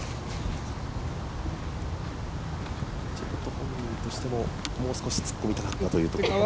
本人としてももう少し突っ込みたかったですよね。